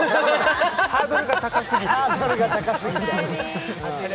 ハードルが高すぎて。